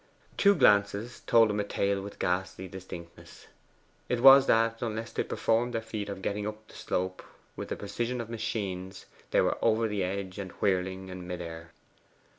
Two glances told him a tale with ghastly distinctness. It was that, unless they performed their feat of getting up the slope with the precision of machines, they were over the edge and whirling in mid air.